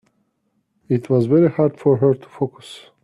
It was very hard for her to focus.